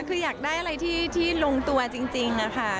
คืออยากได้อะไรที่ลงตัวจริงค่ะ